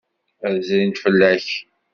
Ad d-zrint fell-ak.